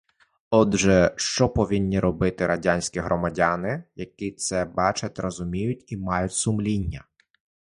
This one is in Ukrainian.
Отже, що повинні робити радянські громадяни, які це бачать, розуміють і мають сумління?